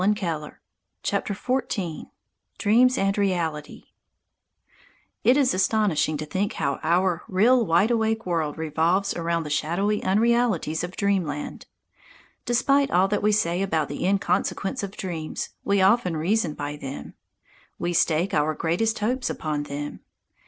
DREAMS AND REALITY XIV DREAMS AND REALITY IT is astonishing to think how our real wide awake world revolves around the shadowy unrealities of Dreamland. Despite all that we say about the inconsequence of dreams, we often reason by them. We stake our greatest hopes upon them.